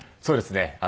そうですね。